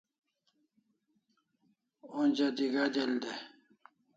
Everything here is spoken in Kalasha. Onja d'ig'a' del dai